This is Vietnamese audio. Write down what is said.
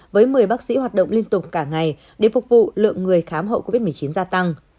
với một mươi bác sĩ hoạt động liên tục cả ngày để phục vụ lượng người khám hậu covid một mươi chín gia tăng